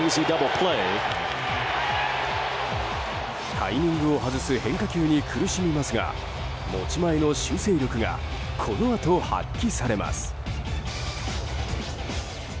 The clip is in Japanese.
タイミングを外す変化球に苦しみますが持ち前の修正力がこのあと発揮されます。